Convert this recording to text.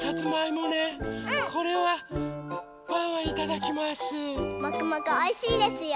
もくもくおいしいですよ。